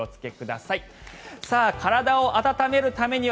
さあ、体を温めるためには